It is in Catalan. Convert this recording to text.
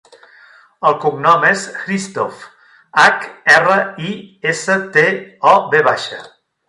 El cognom és Hristov: hac, erra, i, essa, te, o, ve baixa.